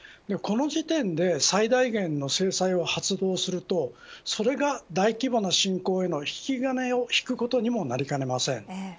この時点で最大限の制裁を発動するとそれが大規模な侵攻への引き金を引くことにもなりかねません。